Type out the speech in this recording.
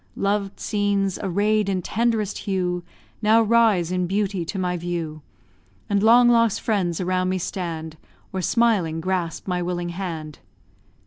Loved scenes, array'd in tenderest hue, Now rise in beauty to my view; And long lost friends around me stand, Or, smiling, grasp my willing hand.